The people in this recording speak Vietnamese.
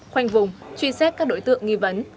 khoanh vùng truy xét các đối tượng nghi vấn